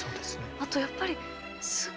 あとやっぱりうん。